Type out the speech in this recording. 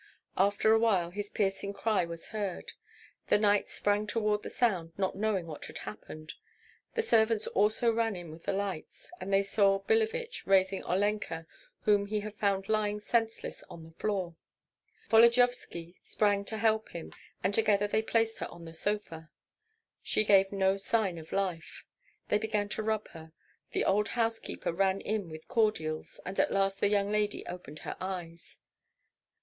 After a while his piercing cry was heard. The knights sprang toward the sound, not knowing what had happened; the servants also ran in with the lights, and they saw Billevich raising Olenka, whom he had found lying senseless on the floor. Volodyovski sprang to help him, and together they placed her on the sofa. She gave no sign of life. They began to rub her. The old housekeeper ran in with cordials, and at last the young lady opened her eyes.